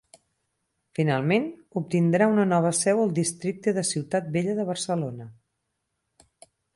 Finalment, obtindrà una nova seu al districte de Ciutat Vella de Barcelona.